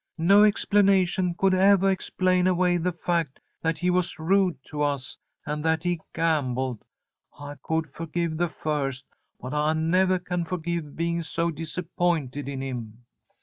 No explanation could evah explain away the fact that he was rude to us and that he gambled. I could forgive the first, but I nevah can forgive being so disappointed in him."